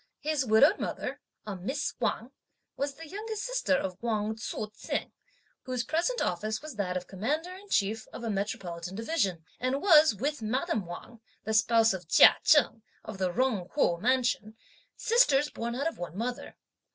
His widowed mother, a Miss Wang, was the youngest sister of Wang Tzu t'eng, whose present office was that of Commander in Chief of a Metropolitan Division; and was, with Madame Wang, the spouse of Chia Cheng, of the Jung Kuo Mansion, sisters born of one mother.